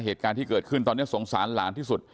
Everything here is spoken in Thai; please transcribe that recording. เหตุการณ์ที่เกิดขึ้นตอนนี้สงสารหลานที่สุด